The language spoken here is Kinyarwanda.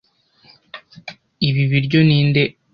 Ibi biryo ni nde?